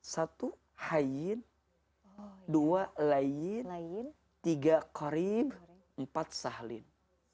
satu hayyin dua layyin tiga qorib empat sahlin